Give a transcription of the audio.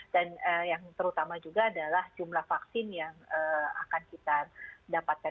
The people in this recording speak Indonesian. dan yang terutama juga adalah jumlah vaksin yang akan kita dapatkan